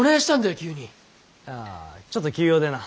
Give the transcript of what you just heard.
あちょっと急用でな。